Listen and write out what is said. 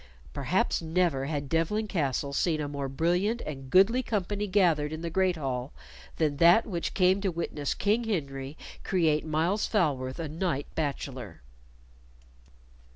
Perhaps never had Devlen Castle seen a more brilliant and goodly company gathered in the great hall than that which came to witness King Henry create Myles Falworth a knight bachelor.